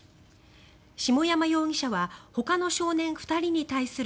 下山容疑者はほかの少年２人に対する